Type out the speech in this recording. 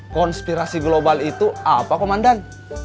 konspirasi global itu apa komandan